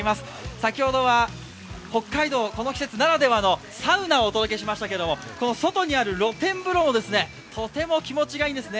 先ほどは北海道、この季節ならではのサウナをお届けしましたけどこの外にある露天風呂もとても気持ちがいいんですね。